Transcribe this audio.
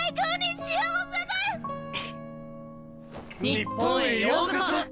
日本へようこそ！